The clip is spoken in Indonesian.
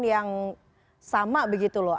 yang sama begitu loh